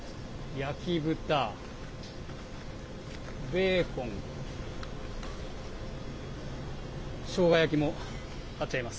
焼き豚、ベーコン、しょうが焼きも買っちゃいます。